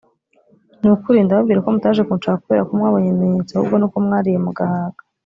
ni ukuri ndababwira ko mutaje kunshaka kubera ko mwabonye ibimenyetso ahubwo ni uko mwariye mugahaga